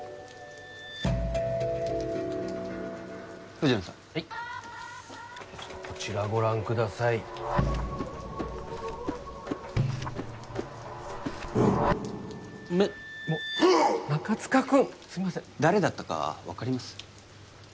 藤野さんはいこちらご覧ください中塚君すいません誰だったか分かります？